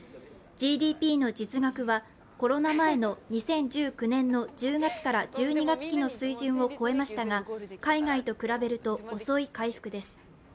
ＧＤＰの実額はコロナ前の２０１９年の１０月から１２月期の水準を超えましたが海外と比べると遅い回復です。